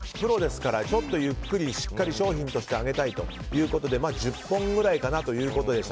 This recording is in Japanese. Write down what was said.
達人、渡戸正さんはプロですからちょっとゆっくり商品としてあげたいということで１０本ぐらいかなということでした。